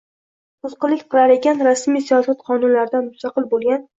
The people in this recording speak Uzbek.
to‘sqinlik qilar ekan, rasmiy siyosat qonuniyatlaridan mustaqil bo‘lgan